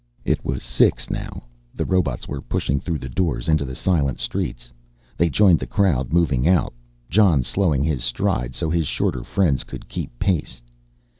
It was six now, the robots were pushing through the doors into the silent streets. They joined the crowd moving out, Jon slowing his stride so his shorter friends could keep pace.